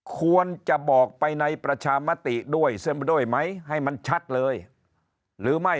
ควรจะบอกไปในประชามติด้วยไหมให้มันชัดเลยหรือไม่